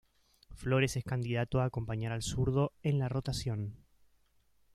Flores es candidato a acompañar al zurdo en la rotación.